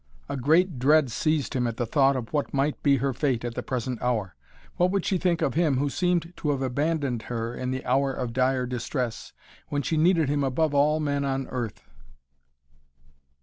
A great dread seized him at the thought of what might be her fate at the present hour. What would she think of him who seemed to have abandoned her in the hour of dire distress, when she needed him above all men on earth?